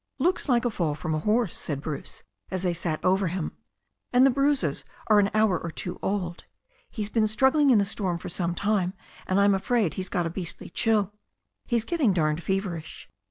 "Looks like a fall from a horse," said Bruce, as they sat over him. "And the bruises are an hour or two old. He's been struggling in the storm for some time, and I*m afraid he's got a beastly chill. He*s getting darned feverish.